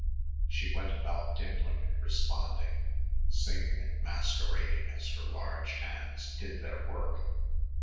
She went about dimpling and responding, singing and masquerading as her large hands did their work.